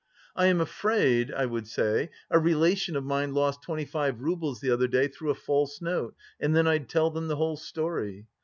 'I am afraid,' I would say, 'a relation of mine lost twenty five roubles the other day through a false note,' and then I'd tell them the whole story.